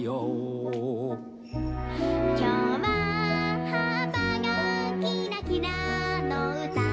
「きょうははっぱがきらきらのうた」